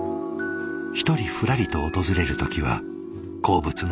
一人ふらりと訪れる時は好物のねぎそばを。